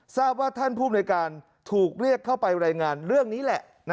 ทราบว่าท่านภูมิในการถูกเรียกเข้าไปรายงานเรื่องนี้แหละ